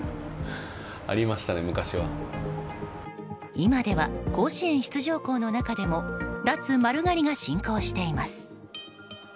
今では甲子園出場校の中でも脱丸刈りが進行しています。